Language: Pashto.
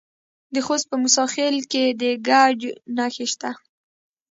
د خوست په موسی خیل کې د ګچ نښې شته.